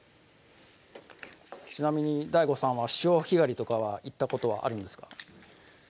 ちなみにＤＡＩＧＯさんは潮干狩りとかは行ったことはあるんですか？